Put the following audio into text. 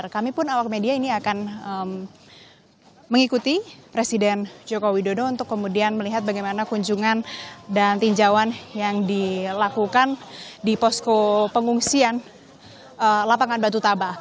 kami pun awak media ini akan mengikuti presiden joko widodo untuk kemudian melihat bagaimana kunjungan dan tinjauan yang dilakukan di posko pengungsian lapangan batu tabah